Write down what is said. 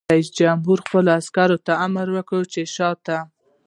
رئیس جمهور خپلو عسکرو ته امر وکړ؛ شاته!